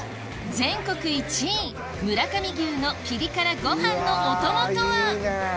全国１位村上牛のピリ辛ご飯のお供とは？